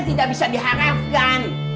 tidak bisa diharapkan